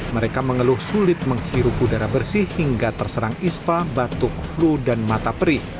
mereka mengeluh sulit menghirup udara bersih hingga terserang ispa batuk flu dan mata perih